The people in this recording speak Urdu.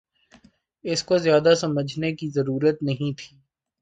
اس کو زیادہ سمجھنے کی ضرورت نہیں تھی